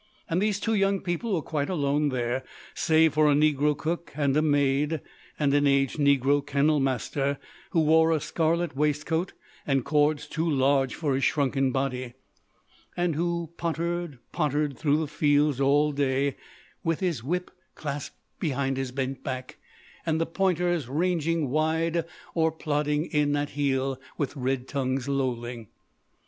And these two young people were quite alone there, save for a negro cook and a maid, and an aged negro kennel master who wore a scarlet waistcoat and cords too large for his shrunken body, and who pottered, pottered through the fields all day, with his whip clasped behind his bent back and the pointers ranging wide, or plodding in at heel with red tongues lolling.